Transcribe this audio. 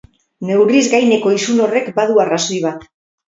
Neurriz gaineko isun horrek badu arrazoi bat.